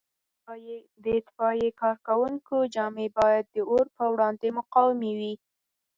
د اطفایې کارکوونکو جامې باید د اور په وړاندې مقاومې وي.